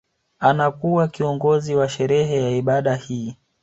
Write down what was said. Anakuwa kiongozi wa sherehe ya ibada hii